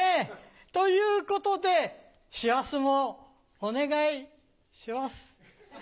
ということで師走もお願いシワス。